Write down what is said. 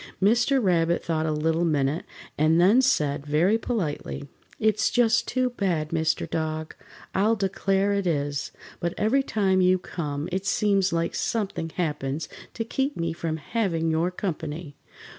Mr. Rabbit thought a little minute and then said, very politely: "It's just too bad, Mr. Dog, I'll declare it is. But every time you come it seems like something happens to keep me from having your company.